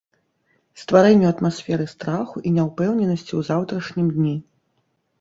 Стварэнню атмасферы страху і няўпэўненасці ў заўтрашнім дні.